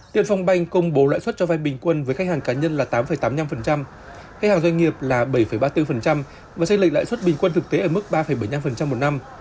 tiền phong banh công bố lãi suất cho vai bình quân với khách hàng cá nhân là tám tám mươi năm khách hàng doanh nghiệp là bảy ba mươi bốn và tranh lệch lãi suất bình quân thực tế ở mức ba bảy mươi năm một năm